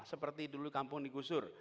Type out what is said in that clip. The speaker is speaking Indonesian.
seperti dulu kampung di gusur